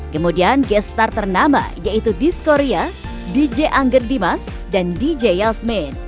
kemudian guest star ternama yaitu diz korea dj angger dimas dan dj diz